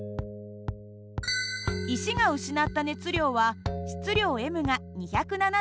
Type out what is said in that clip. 石が失った熱量は質量ｍが２７５。